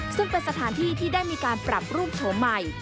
ซึ่งเป็นสถานที่ที่ได้มีการปรับรูปโฉมใหม่